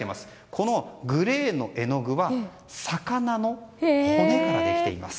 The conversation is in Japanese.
このグレーの絵の具は魚の骨からできています。